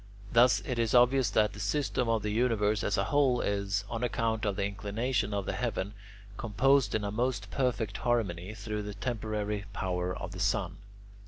Thus it is obvious that the system of the universe as a whole is, on account of the inclination of the heaven, composed in a most perfect harmony through the temporary power of the sun.